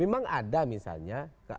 memang ada misalnya